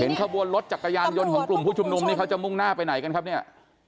ขบวนรถจักรยานยนต์ของกลุ่มผู้ชุมนุมนี่เขาจะมุ่งหน้าไปไหนกันครับเนี่ย